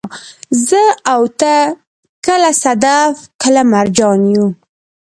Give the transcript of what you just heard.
زه او ته، کله صدف، کله مرجان يو